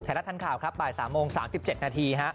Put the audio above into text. รัฐทันข่าวครับบ่าย๓โมง๓๗นาที